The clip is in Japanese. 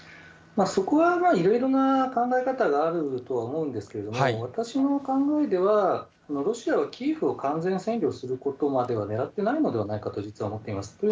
そこはいろいろな考え方があるとは思うんですけれども、私の考えでは、ロシアはキエフを完全占拠することまでは、ねらってないのではないかと実は思っています。